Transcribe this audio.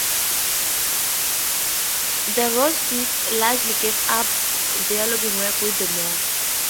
The Roses largely gave up their lobbying work with the move.